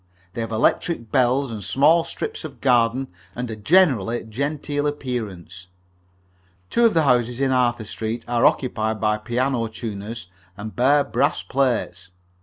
They have electric bells, and small strips of garden, and a generally genteel appearance. Two of the houses in Arthur Street are occupied by piano tuners, and bear brass plates.